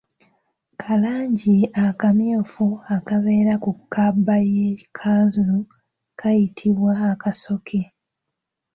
Kalangi akamyufu akabeera ku kabba y'ekkanzu kayitibwa akasoke.